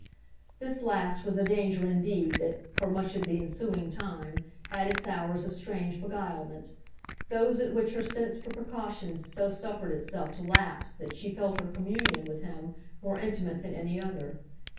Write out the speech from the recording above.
This last was a danger indeed that, for much of the ensuing time, had its hours of strange beguilement those at which her sense for precautions so suffered itself to lapse that she felt her communion with him more intimate than any other.